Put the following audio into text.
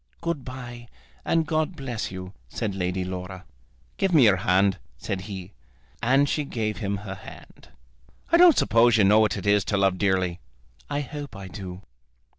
"Good bye, and God bless you," said Lady Laura. "Give me your hand," said he. And she gave him her hand. "I don't suppose you know what it is to love dearly." "I hope I do."